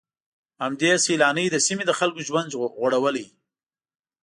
همدې سيلانۍ د سيمې د خلکو ژوند غوړولی.